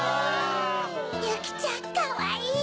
ゆきちゃんかわいい！